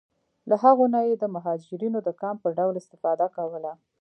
له هغو نه یې د مهاجرینو د کمپ په ډول استفاده کوله.